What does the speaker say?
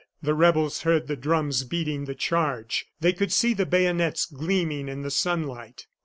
The rebels heard the drums beating the charge; they could see the bayonets gleaming in the sunlight.